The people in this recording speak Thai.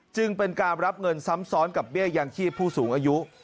จึงเป็นการรับเงินซ้ำซ้อนกับเบี้ยยังชีพผู้สูงอายุ